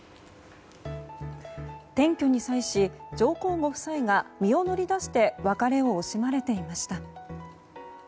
転居に際し上皇ご夫妻が身を乗り出して別れを惜しまれていました。